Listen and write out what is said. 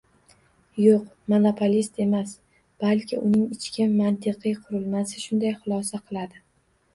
Yo‘q, monopolist emas, balki uning ichki mantiqiy “qurilmasi” shunday xulosa qiladi.